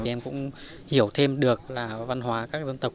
thì em cũng hiểu thêm được là văn hóa các dân tộc